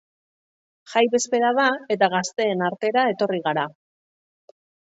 Jai bezpera da eta gazteen artera etorri gara.